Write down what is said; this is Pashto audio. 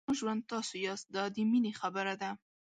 زما ژوند تاسو یاست دا د مینې خبره ده.